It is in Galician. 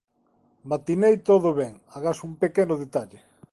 Matinei todo ben, agás un pequeno detalle.